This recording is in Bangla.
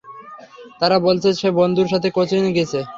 তারা বলছে সে তার বন্ধুর সাথে কোচিনে গিছে।